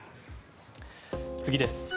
次です。